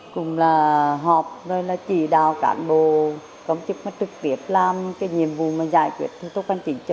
cùng họp với chỉ đạo cản bộ công chức trực tiếp làm nhiệm vụ giải quyết thủ tục an chỉnh